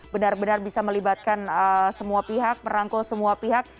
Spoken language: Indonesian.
benar benar bisa melibatkan semua pihak merangkul semua pihak